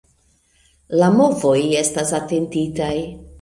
La movoj estas atentitaj.